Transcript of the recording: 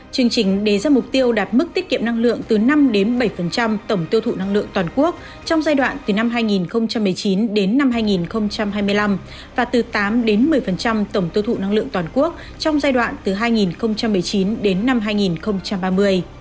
chương trình đề ra mục tiêu đạt mức tiết kiệm năng lượng từ năm bảy tổng tiêu thụ năng lượng toàn quốc trong giai đoạn từ năm hai nghìn một mươi chín đến năm hai nghìn hai mươi năm và từ tám một mươi tổng tiêu thụ năng lượng toàn quốc trong giai đoạn từ hai nghìn một mươi chín đến năm hai nghìn ba mươi